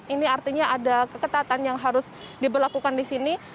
ini artinya ada keketatan yang harus diberlakukan di sini